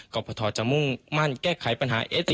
กรพทจะมุ่งมั่นแก้ไขปัญหาเอติ